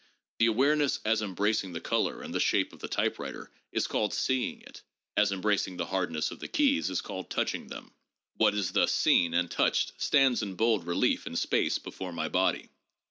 The awareness, as embracing the color and the shape of the typewriter, is called seeing it ; as embracing the hardness of the keys is called touching them. What is thus seen and touched stands in bold relief in space before my body.